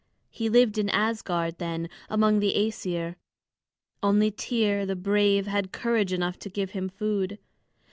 He lived in Asgard then, among the Æsir. Only Tŷr the brave had courage enough to give him food.